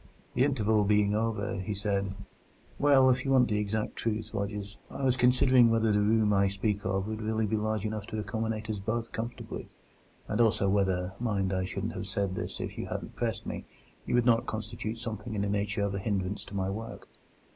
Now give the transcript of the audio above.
That interval being over, he said: "Well, if you want the exact truth, Rogers, I was considering whether the room I speak of would really be large enough to accommodate us both comfortably; and also whether (mind, I shouldn't have said this if you hadn't pressed me) you would not constitute something in the nature of a hindrance to my work."